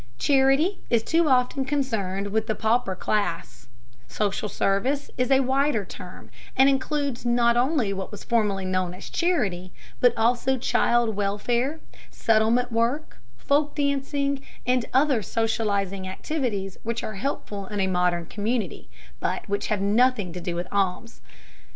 Charity is too often concerned with the pauper class; social service is a wider term and includes not only what was formerly known as charity, but also child welfare, settlement work, folk dancing, and other socializing activities which are helpful in a modern community, but which have nothing to do with alms.